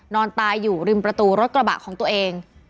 นอนตายอยู่ริมประตูรถกระบะของตัวเอง